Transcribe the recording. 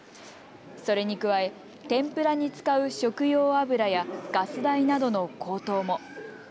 それに加え、天ぷらに使う食用油やガス代などの高騰も。